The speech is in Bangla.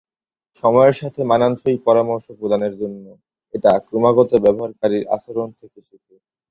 সময়ের সাথে মানানসই পরামর্শ প্রদানের জন্য এটা ক্রমাগত ব্যবহারকারীর আচরণ থেকে শেখে।